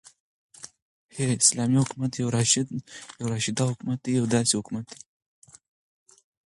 ح : اسلامې حكومت يو راشده حكومت دى يو داسي حكومت دى